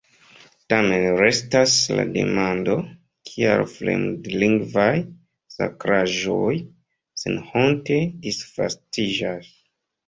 Tamen restas la demando, kial fremdlingvaj sakraĵoj senhonte disvastiĝas.